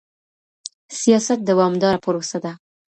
سياست دوامداره پروسه ده.